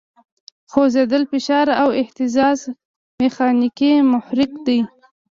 خوځېدل، فشار او اهتزاز میخانیکي محرک دی.